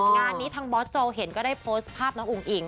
งานนี้ทางบอสโจเห็นก็ได้โพสต์ภาพน้องอุ้งอิง